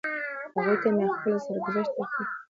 هغوی ته مې خپل سرګذشت تېر کړ.